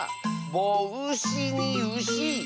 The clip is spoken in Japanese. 「ぼうし」に「うし」。